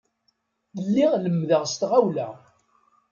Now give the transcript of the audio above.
Lliɣ lemmdeɣ s tɣawla.